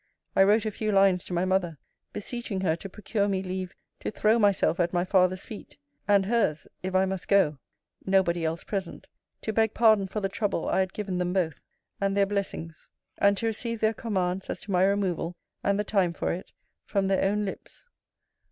I wrote a few lines to my mother; beseeching her to procure me leave to throw myself at my father's feet, and hers, if I must go, (nobody else present,) to beg pardon for the trouble I had given them both, and their blessings; and to receive their commands as to my removal, and the time for it, from their own lips.